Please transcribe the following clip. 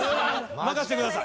任せてください。